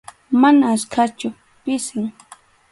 Mana achkachu, pisim.